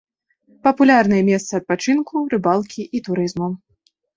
Папулярнае месца адпачынку, рыбалкі і турызму.